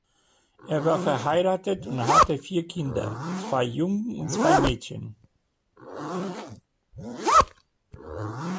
Er war verheiratet und hatte vier Kinder, zwei Jungen und zwei Mädchen.